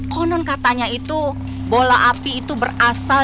konon katanya itu bola api itu berasal